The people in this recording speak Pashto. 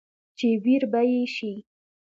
چې وېر به يې شي ،